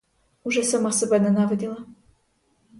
Уже сама себе ненавиділа.